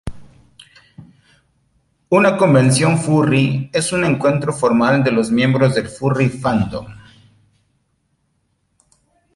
Una convención furry es un encuentro formal de los miembros del furry fandom.